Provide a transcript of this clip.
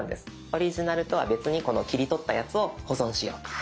オリジナルとは別にこの切り取ったやつを保存しようと。